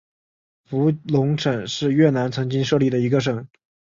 福隆省是越南曾经设立的一个省。